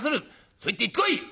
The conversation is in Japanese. そうやって言ってこい！」。